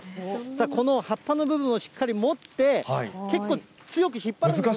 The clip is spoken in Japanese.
さあ、この葉っぱの部分をしっかり持って、結構強く引っ張るんで